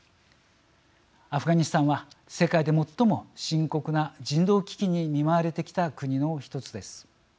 アフガニスタンは世界で最も深刻な人道危機に見舞われてきた国の一つです。